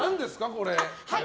これ。